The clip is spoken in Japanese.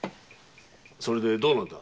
それでどうなのだ？